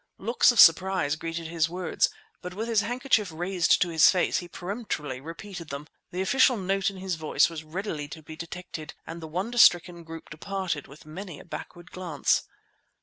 Looks of surprise greeted his words; but with his handkerchief raised to his face, he peremptorily repeated them. The official note in his voice was readily to be detected; and the wonder stricken group departed with many a backward glance.